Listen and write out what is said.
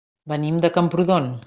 Venim de Camprodon.